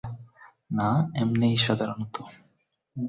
না এমনেই সাধারণত।